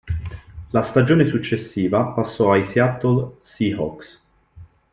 La stagione successiva passò ai Seattle Seahawks.